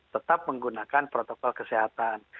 tetap menggunakan protokol kesehatan